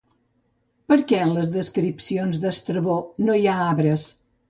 Per què en les descripcions d'Estrabó no hi ha arbres?